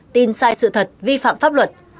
tin sai sự thật vi phạm pháp luật